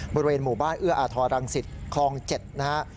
บริเวณหมู่บ้านเอื้ออาทรรังสิตคลอง๗นะฮะ